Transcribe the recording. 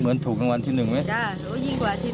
เหมือนถูกในวันที่นึงไหม